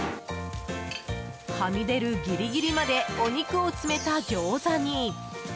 はみ出るギリギリまでお肉を詰めたギョーザに。